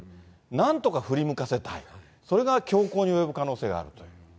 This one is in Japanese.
なんとか振り向かせたい、それが凶行に及ぶ可能性があるという。